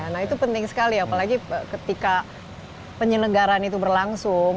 nah itu penting sekali apalagi ketika penyelenggaran itu berlangsung